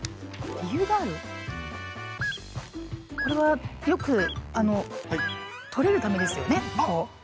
これはよく取れるためですよね。